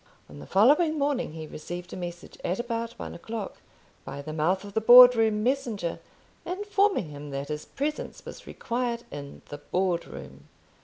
On the following morning he received a message, at about one o'clock, by the mouth of the Board room messenger, informing him that his presence was required in the Board room.